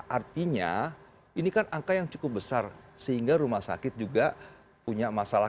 artinya ini kan angka yang cukup besar sehingga rumah sakit juga punya masalah